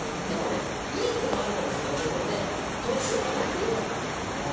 でもねいいこともあるかもしれないということで「年を取ってよかったこと」